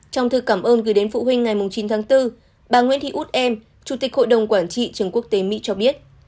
trong thư cảm ơn gửi đến phụ huynh ngày chín tháng bốn bà nguyễn thị út em chủ tịch hội đồng quản trị trường quốc tế mỹ cho biết